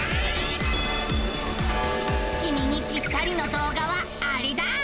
きみにぴったりの動画はアレだ！